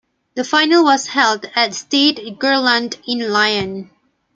The final was held at Stade Gerland in Lyon.